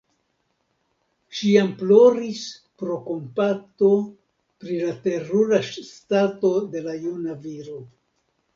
Ŝi jam ploris pro kompato pri la terura stato de la juna viro.